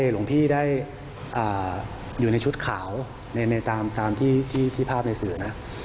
หลวงพี่ได้อยู่ในชุดขาวตามที่ภาพในสื่อนะ